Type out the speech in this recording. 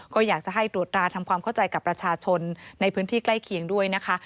ก็อยากจะให้ตรวจราทำความเข้าใจกับประชาชนในพื้นที่ใกล้เคียงด้วยนะคะ